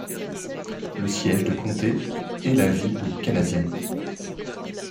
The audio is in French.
Le siège de comté est la ville de Canadian.